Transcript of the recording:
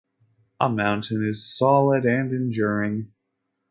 A mountain is solid and enduring.